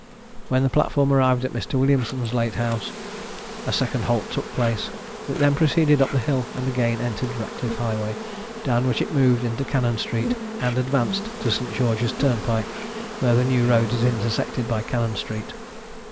When the platform arrived at Mr. Williamson's late house, a second halt took place. It then proceeded up the hill, and again entered Ratcliffe Highway, down which it moved into Cannon street, and advanced to St. George's turnpike, where the New Road is intersected by Cannon street.